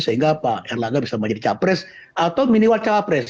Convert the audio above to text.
sehingga pak erlangga bisa menjadi capres atau minimal cawapres